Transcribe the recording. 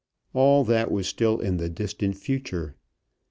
All that was still in the distant future.